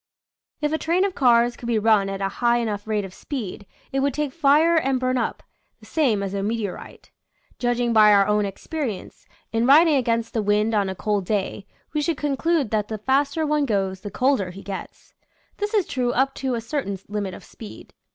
If a train of cars could be run at a high enough rate of speed it would take fire and burn up, the same as a meteorite. Judging by our own experience, in riding against the {^\, Original from :{<~ UNIVERSITY OF WISCONSIN 138 'nature's flSlracles. wind on a cold day, we should conclude that the faster one goes the colder he gets. This is true up to a certain limit of speed.